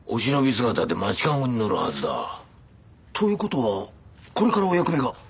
姿で町駕籠に乗るはずだ。ということはこれからお役目が。